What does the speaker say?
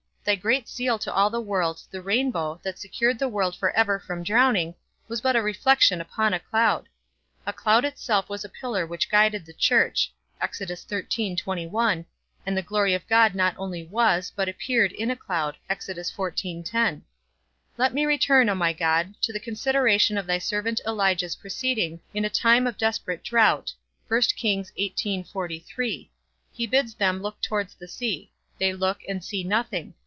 Thy great seal to all the world, the rainbow, that secured the world for ever from drowning, was but a reflection upon a cloud. A cloud itself was a pillar which guided the church, and the glory of God not only was, but appeared in a cloud. Let me return, O my God, to the consideration of thy servant Elijah's proceeding in a time of desperate drought; he bids them look towards the sea; they look, and see nothing.